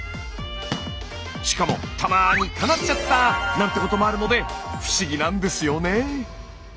しかもたまになんてこともあるので不思議なんですよね。